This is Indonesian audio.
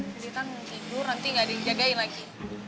jadi kan ibu nanti gak ada yang jagain lagi